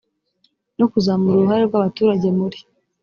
no kuzamura uruhare rw abaturage muri